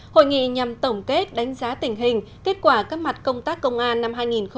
hội nghị nhằm tổng kết đánh giá tình hình kết quả các mặt công tác công an năm hai nghìn hai mươi ba